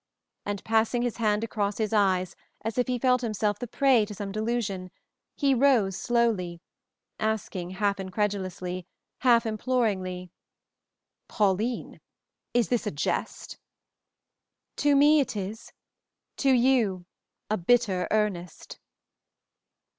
And, passing his hand across his eyes as if he felt himself the prey to some delusion, he rose slowly, asking, half incredulously, half imploringly, "Pauline, this is a jest?" "To me it is; to you a bitter earnest."